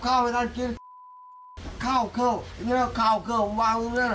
ข้าวของเขาข้าวของเขาผมวางตรงนั้น